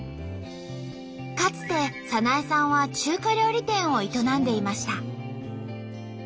かつて早苗さんは中華料理店を営んでいました。